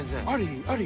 あり？